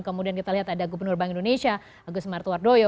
kemudian kita lihat ada gubernur bank indonesia agus martuardoyo